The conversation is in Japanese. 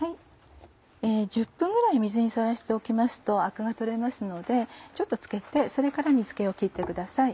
１０分ぐらい水にさらしておきますとアクが取れますのでちょっとつけてそれから水気をきってください。